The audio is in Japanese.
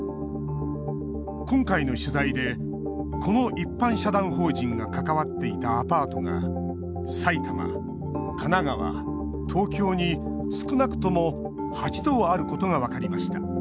今回の取材でこの一般社団法人が関わっていたアパートが埼玉、神奈川、東京に少なくとも８棟あることが分かりました。